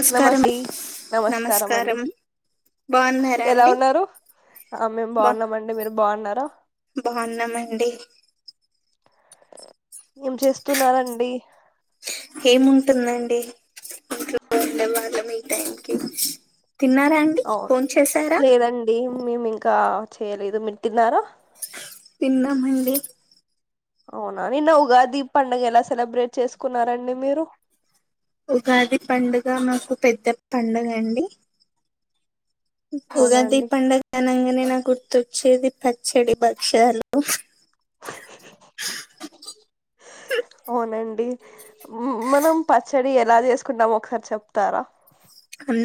నమస్కారం నమస్తే నమస్కారం బాగున్నారా ఎలా అండి ఉన్నారు ఆ మేము బా బాగున్నామండి మీరు బాగున్నారా బాగున్నామండి ఏం చేస్తున్నారండి ఏముంటుందండి ఇ వెళ్ళ వాళ్ళ మీ టైం క అవును లేదండి మేము ఇంకా చేయలేదు మీరు తిన్నారా తిన్నామండి అవునా నిన్న ఉగాది పడుగ ఎలా సెలబ్రేట్ చేసుకున్నారండి మీరు ఉగాది పండుగ మాకు పెద్ద పండుగ అండి. అవునా ఉగాది ఈ అండి పండగ అనంగానే నాకు తుచ్చిది పచ్చడి భక్షాలు అ అవునండి మనం పచ్చడి ఎలా చేసుకుంటాం ఒకసారి చెప్తారా అ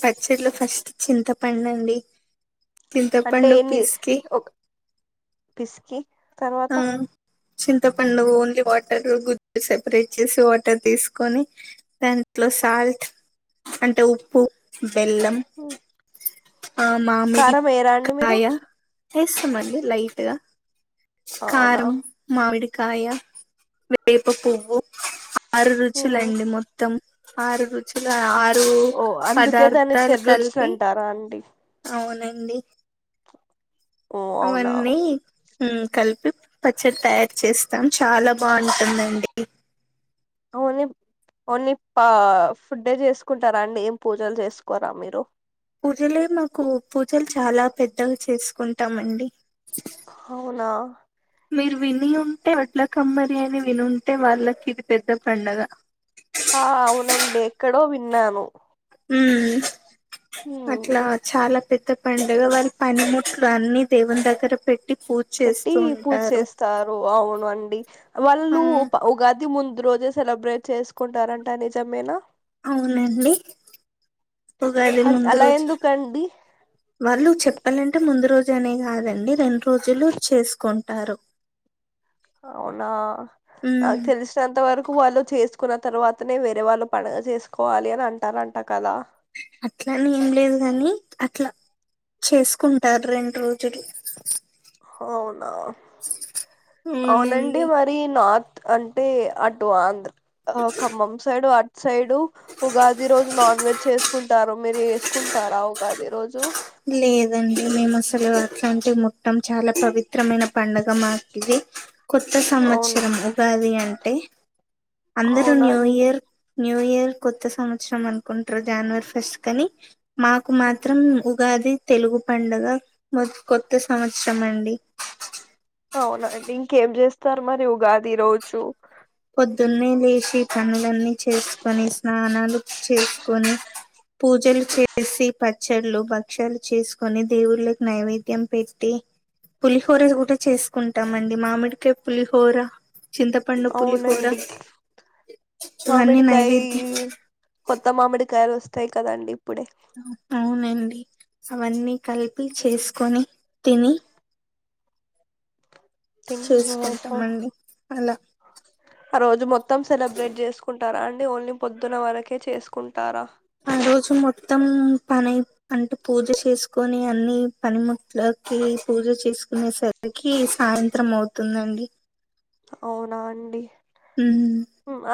పచ్చట్లో ఫస్ట్ చింతపందండి చింతప్పండు పీస్కి పిస్కి తర్వాత చింతపండుగ ఓన్లీ వాటర్ గు సపరేట్ చేసి వాటర్ తీసుకొని దా సాల్ట్ అంటే ఉప్పు బెల్లం మ్, ఆ కారం వేయరా అండి మీరు మామిడికాయ ఇష్టమ అండి లైట్గా అవునా కారం మామిడి కాయ వేప పువ్వు ఆరు మ్, రుచులండి మొత్తం ఆరు రుచులు ఆరు పదార్థాలు కలి వ అంటారా అండి అవునండి ఓ అవునా హ్మ్ కలిపి పచ్చడి తయారుచేస్తాం చాలా బాగుంటుందండి అవునేం ఓన్లీ పా ఫుడ్ ఏ చేసుకుంటారా అండి ఏం పూజలు చేసుకోరా మీరు పూజలే మాకు పూజలు చాలా పెద్దగా చేసుకుంటామండి అవునా మీరు విని ఉంటే వడ్లకమ్మరి అని వినింటే వాళ్ళకి ఇది పెద్ద పండగ ఆ అవునండి ఎక్కడో విన్నాను హ్మ్ హ్మ్. అట్లా చాలా పెద్ద పండుగ వారి పనిముట్లు అన్ని దేవుని దగ్గర పె పెట్టి పూజ చేస్తారు అవును అండి వాళ్ళు మ్మ్ ఉగాది ముం దు రోజే సెలబ్రేట్ చేసుకుంటారంట నిజమేనా అవునండి ఉగాది అన్ ముందు అలా రోజు ఎందుకండి వాళ్ళు చెప్పాలంటే ముందు రోజు అనే కాదండి రెండు రోజులు చేసుకుం టారు అవునా నాకు తెలిసినంత వరకు వాళ్ళు చేసు కున్న తర్వాతనే వేరే వాళ్ళు పండగ చేసుకోవాలి అని అంటారంట కదా అట్లాని ఏం లేదు గాని అట్లా చేసుకుంటారు రెండు రోజులు అవునా అవునండి మరి నార్త్ అంటే అటు ఆంధ్ర ఖమ్మం సైడు అ సైడు ఉగాది రోజు నాన్ వెజ్ చేసుకుంటారు మీరు చేసుకుంటారా ఉగాది రోజు లే దండి మేము అసలు అట్లాంటి ముట్టం చాలా పవిత్రమైన పండగ మాకిది కొత్త అవునా సంవత్సరం ఉగాది అంటే అందరూ న్యూ అవునండి ఇయర్ న్యూ ఇయర్ కొత్త సంవత్సరం అనుకుంటారు జనవరి ఫస్ట్ కాని మాకు మాత్రం ఉగాది తెలుగు పండగ మాక్ కొత్త సంవత్సరం అండి తార్ మరి ఉగాది రోజు పొద్దున్నే లేచి పనులన్నీ చేసుకొని స్నానాలు చేసుకొని పూజలు చేసి పచ్చ చ్చల్లు భక్షాలు చేసుకొని దేవుళ్ళకి నైవేద్యం పెట్టి పులిహోర కూడా చేసుకుంటామండి మామిడికాయ పులిహోర చింతప అవునండి ఇవన్నీ మామిడికాయి నైవేద్యం కొత్త మామిడి కాయలు వస్తాయి కదండి ఇప్పుడే అవునండి అవన్నీ కలిపి చేసుకొని తిని తిని ఓహో చేసుకుంటామండి అలా ఆరోజు మొత్తం సెలబ్రేట్ చేసుకుంటారా అండి ఓన్లీ పొద్దున్న వరకే చేసుకుంటారా ఆ రోజు మొత్తం పని అంటే పూజ చేసుకొని అన్ని పనిముట్ల కి పూజ చేసుకునే సరికి సాయంత్రం అవుతుందండి అవునా అండి ఉమ్,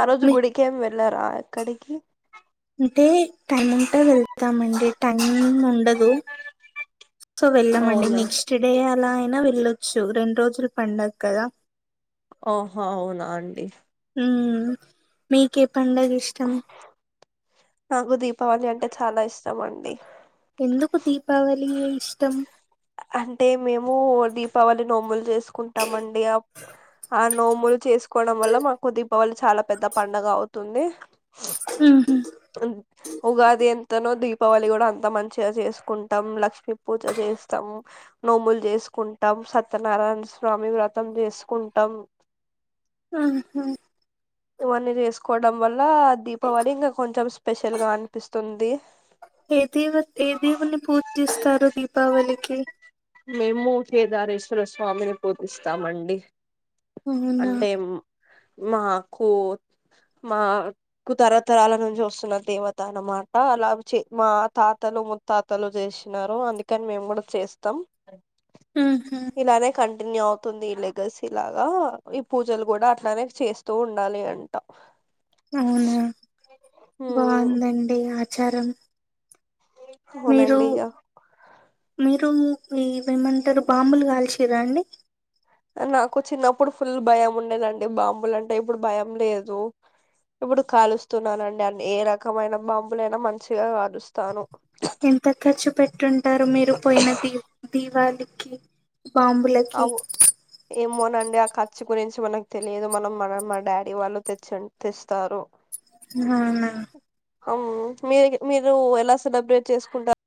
ఆరోజు మీ గుడికేం వెళ్ళరా ఎక్కడికి అంటే టైం ఉంటే వెళ్తామండి టైం ఉండదు సో వెళ్ళమండి అవునా నెక్స్ట్‌ డే అలా నా వెళ్ళొచ్చు రెండు రోజులు పండగ కదా ఓహో అవునా అండి హ్మ్ మీకే పండగ ఇష్టం నాకు దీపావళి అంటే చాలా ఇష్టం అండి ఎందుకు దీపావళి ఏ ఇష్టం అంటే మేము దీపావళి నోమూలు చేస్ సుకుంటామండి ఆ నోములు చేసుకోవడం వల్ల మాకు ది దీపావలి చాలా పెద్ద పండగ అవుతుంది ఉహు. ఉగాది ఎంతనో దీ పావళి కూడా అంత మంచిగా చేసుకుంటాం లక్మీ పూజ చేస్తాం నోములు చేసుకుంటాం సత్యనారాయణ స్వామి వ్రతం చేసుకుంటాం ఆహ ఇవన్నీ చేసుకోవడం వల్ల లా దీపావళి ఇంగ కొంచెం స్పెషల్ గా అనిపిస్తుంది ఏ ఏ దేవున్ని పూ దీపావళికి మేము కేదారేశ్వర స్వామిని పూజిస్తామండి అవునా అంటే మాకు మాకు తరతరాల నుంచి వస్తున్న దేవత అన్నమాట అలా చే మా తాతలు ముత్తాతలు చేసినారు అందుకని మేము కూడా చేస్తాం ఆహ ఇన్నీ అవుతుంది ఈ లెగసి లాగా ఈ పూజలు కూడా అట్లానే చేస్తూ ఉండాలి అంటా అవునా ఉమ్ బాగుందండి ఆచారం మీరు అవునండి ఇగా మీరు ఇవేమంటారు బాంబులు కాల్షీరా అండి నాకు చిన్నప్పుడు ఫుల్ భయం ఉండేదండి బాంబులు అంటే ఇప్పుడు భయం లేదు ఇప్పుడు కాలుస్తున్నానండి అన్ని ఏ రకమైన బాంబులైనా మంచిగా కాలుస్తాను ఎంత ఖర్చు పెట్టుంటారు మీరు పోయిన దీ దీవాళికి బాంబులకి దే ఆ ఖర్చు గురించి మనకు తెలియదు మనం మన మా డాడీ వాళ్ళు తెచ్చుం తెస్తారు ఆహా అవునా అవును మీరిగి మీరు ఎలా సెలబ్రేట్ చేసుకుంటా